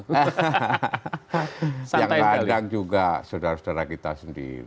yang ladang juga saudara saudara kita sendiri